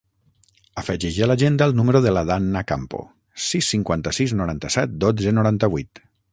Afegeix a l'agenda el número de la Danna Campo: sis, cinquanta-sis, noranta-set, dotze, noranta-vuit.